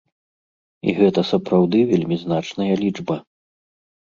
І гэта сапраўды вельмі значная лічба.